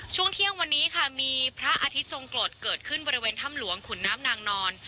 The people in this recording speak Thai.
ช่วงเที่ยงวันนี้ค่ะมีพระอาทิตย์ทรงกรดเกิดขึ้นบริเวณถ้ำหลวงขุนน้ำนางนอน